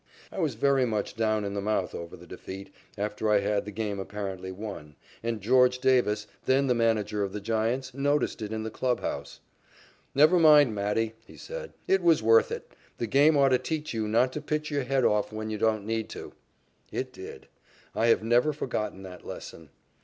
I was very much down in the mouth over the defeat, after I had the game apparently won, and George Davis, then the manager of the Giants, noticed it in the clubhouse. "Never mind, Matty," he said, "it was worth it. The game ought to teach you not to pitch your head off when you don't need to." It did. I have never forgotten that lesson.